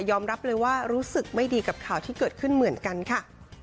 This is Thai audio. รับเลยว่ารู้สึกไม่ดีกับข่าวที่เกิดขึ้นเหมือนกันค่ะ